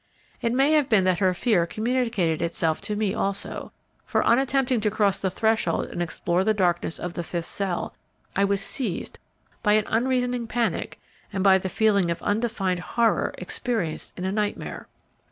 It may have been that her fear communicated itself to me also, for on attempting to cross the threshold and explore the darkness of the fifth cell, I was seized by an unreasoning panic and by the feeling of undefined horror experienced in a nightmare.